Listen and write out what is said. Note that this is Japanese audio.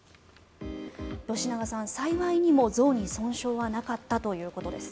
吉永さん、幸いにも像に損傷はなかったということです。